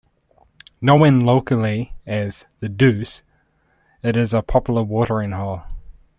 Known locally as "The Deuce", it is a popular watering hole.